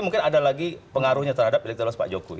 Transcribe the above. mungkin ada lagi pengaruhnya terhadap elektabilitas pak jokowi